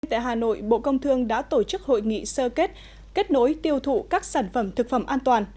tại hà nội bộ công thương đã tổ chức hội nghị sơ kết kết nối tiêu thụ các sản phẩm thực phẩm an toàn